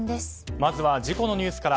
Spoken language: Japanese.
まずは事故のニュースから。